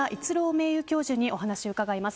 名誉教授にお話を伺います。